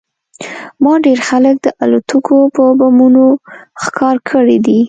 ما ډېر خلک د الوتکو په بمونو ښکار کړي دي